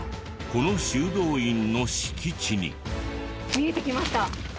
見えてきました。